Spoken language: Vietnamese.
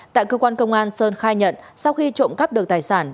tại cơ quan công an sơn khai nhận sau khi trộm cắp được tài sản